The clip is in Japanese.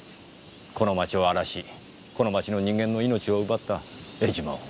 この町を荒らしこの町の人間の命を奪った江島を。